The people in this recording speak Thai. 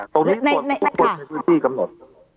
ตรงนี้คนในพื้นที่กำหนด